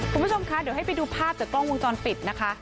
คุณผู้ชมคะเดี๋ยวให้ไปดูภาพจากกล้องวงจรปิดนะคะ